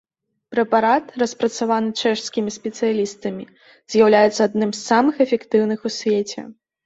Прэпарат, распрацаваны чэшскімі спецыялістамі, з'яўляецца адным з самых эфектыўных у свеце.